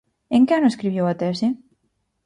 En que ano escribiu a tese?